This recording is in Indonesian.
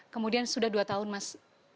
kemudian sudah dua tahun mas